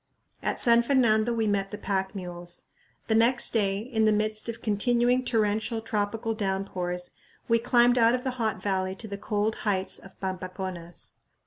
At San Fernando we met the pack mules. The next day, in the midst of continuing torrential tropical downpours, we climbed out of the hot valley to the cold heights of Pampaconas.